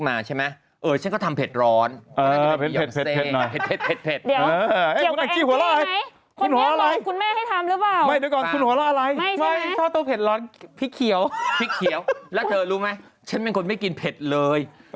มันไม่ก็ต้องลบออกสิมันบล็อกไปเลย